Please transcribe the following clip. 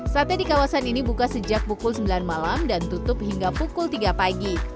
sate di kawasan ini buka sejak pukul sembilan malam dan tutup hingga pukul tiga pagi